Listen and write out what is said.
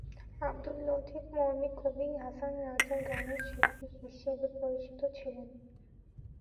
আবদুল লতিফ মরমি কবি হাসন রাজার গানের শিল্পী হিসেবে পরিচিত ছিলেন।